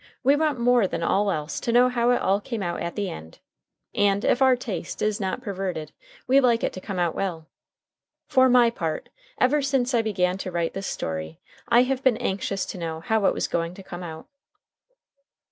We want more than all else to know how it all came out at the end, and, if our taste is not perverted, we like it to come out well. For my part, ever since I began to write this story, I have been anxious to know how it was going to come out.